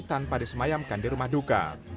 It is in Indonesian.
tanpa disemayamkan di rumah duka